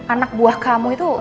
anak buah kamu itu